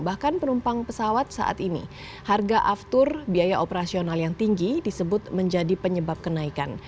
bahkan penumpang pesawat saat ini harga aftur biaya operasional yang tinggi disebut menjadi penyebab kenaikan